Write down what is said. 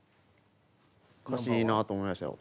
歌詞いいなと思いましたよ。